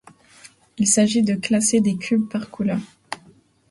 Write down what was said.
Il s'agit de classer des cubes par couleur.